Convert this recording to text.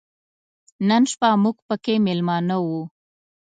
نن شپه موږ پکې مېلمانه و.